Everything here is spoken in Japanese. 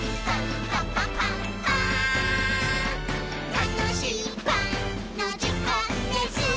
「たのしいパンのじかんです！」